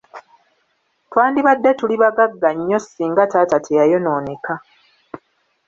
Twandibadde tuli bagagga nnyo singa taata teyayonooneka!